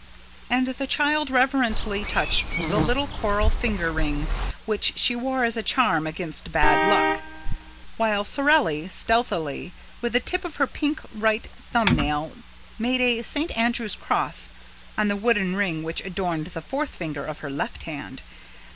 And the child reverently touched the little coral finger ring which she wore as a charm against bad luck, while Sorelli, stealthily, with the tip of her pink right thumb nail, made a St. Andrew's cross on the wooden ring which adorned the fourth finger of her left hand.